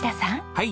はい。